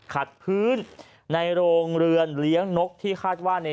ขัดพื้นในโรงเรือนเลี้ยงนกที่คาดว่าใน